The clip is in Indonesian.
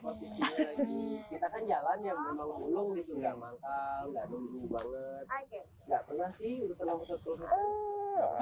kita kan jalan ya memang pulung itu nggak mantap nggak dulu banget